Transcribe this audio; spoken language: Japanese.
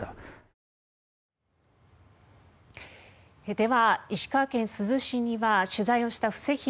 では、石川県珠洲市には取材をした布施宏